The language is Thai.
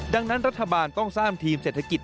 ดังนั้นรัฐบาลต้องสร้างทีมเศรษฐกิจ